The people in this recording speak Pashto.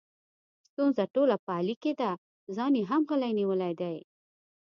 ستونزه ټوله په علي کې ده، ځان یې هم غلی نیولی دی.